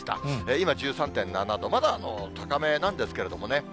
今１３．７度、まだ高めなんですけれどもね。